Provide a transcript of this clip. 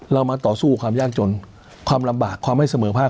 เรามาต่อสู้ความยากจนความลำบากความไม่เสมอภาค